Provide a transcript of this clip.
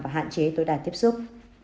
và hạn chế tối đa tiếp xúc